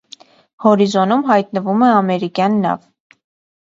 Հորիզոնում հայտնվում է ամերիկյան նավ։